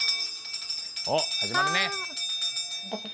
おっ始まるね。